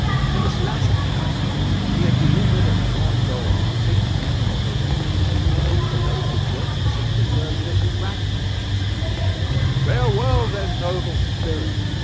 In this latter character he had delivered at Grand Goave a funeral oration, of which the local journals have preserved this fragment: "Farewell, then, noble spirit.